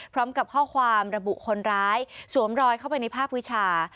พร้อมกับข้อความระบุคนร้ายสวมรอยเข้าไปในภาควิชา